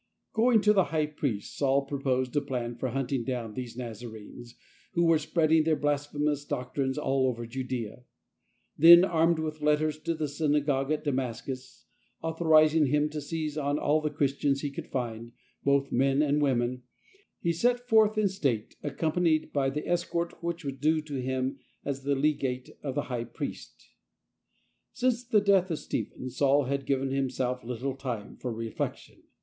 Going to the High Priest, Saul proposed a plan for hunting down these Nazarenes, who were spreading their blasphemous doctrines all over Judea. Then, armed witli letters to the synagogue at Damascus, authorizing him to seize on all the Christians he could find, both men and women, he set forth in state, accom panied by the escort which was due to him as the legate of the High Priest. Since the death of Stephen, Saul had given himself little time for reflection.